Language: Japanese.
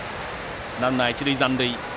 ランナーは一塁残塁。